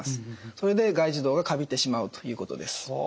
それで外耳道がカビてしまうということです。